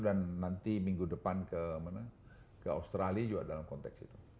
dan nanti minggu depan ke australia juga dalam konteks itu